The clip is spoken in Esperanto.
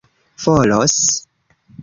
volos